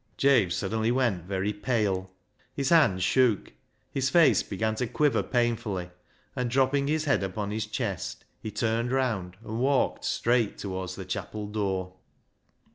Jabe suddenly went very pale, his hand shook, his face began to quiver painfully, and THE HARMONIUM 369 dropping his head upon his chest, he turned round and walked straight towards the chapel door.